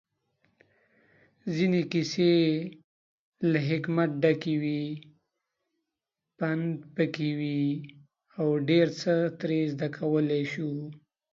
ځينې کيسې له حکمت ډکې وي، پندپکې وي اوډيرڅه ترې زده کولی شو